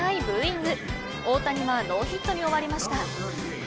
ブーイング大谷はノーヒットに終わりました。